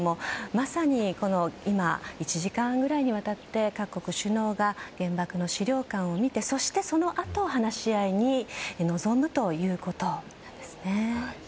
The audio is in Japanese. まさに、今１時間くらいにわたって各国首脳が原爆の資料館を見てそして、そのあと話し合いに臨むということですね。